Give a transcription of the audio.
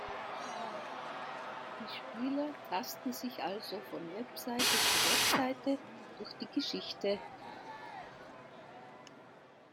Die Spieler tasten sich also von Webseite zu Webseite durch die Geschichte.